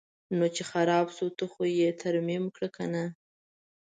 نو چې خراب شو ته خو یې ترمیم کړه کنه.